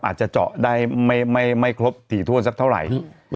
อาจจะเจาะได้ไม่ครบถี่ถ้วนสักเท่าไหร่